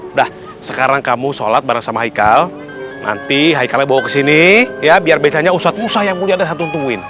udah sekarang kamu sholat bareng sama haikal nanti haikalnya bawa kesini ya biar besarnya ustadzmu sayang mulia dan santun tungguin